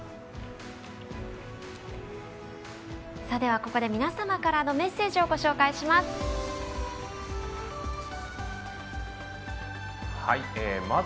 ここで皆さまからのメッセージをご紹介します。